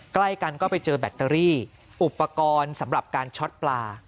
ใกล้กันก็ไปเจอแบตเตอรี่อุปกรณ์สำหรับการช็อตปลา